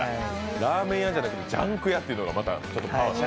ラーメン屋じゃなくてジャンク屋というのがまた。